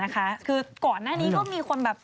คือก่อนหน้านี้ก็มีคนแบบ